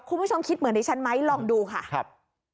คุณผู้ชมคิดเหมือนดิฉันไหมลองดูค่ะครับ